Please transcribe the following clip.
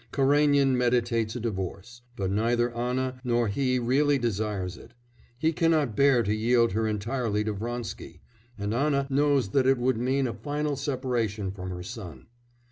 Karénin meditates a divorce, but neither Anna nor he really desires it; he cannot bear to yield her entirely to Vronsky, and Anna knows that it would mean a final separation from her son.